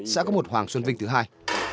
sẽ có một hoàng xuân vinh thứ hai